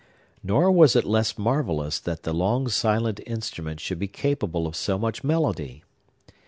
Nor was it less marvellous that the long silent instrument should be capable of so much melody.